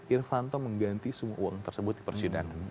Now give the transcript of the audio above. irfanto mengganti semua uang tersebut di persidangan